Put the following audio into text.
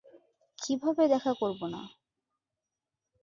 কিভাবে দেখা করবো না?